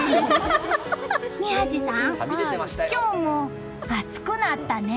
宮司さん、今日も暑くなったね。